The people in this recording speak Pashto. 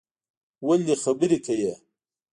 ولی خبری کوی